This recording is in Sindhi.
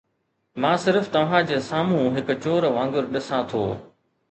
مان صرف توهان جي سامهون هڪ چور وانگر ڏسان ٿو.